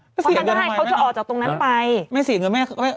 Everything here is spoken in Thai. เขาจะออกจากตรงนั้นไป